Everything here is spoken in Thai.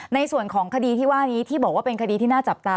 ในส่วนของคดีที่ว่านี้ที่บอกว่าเป็นคดีที่น่าจับตา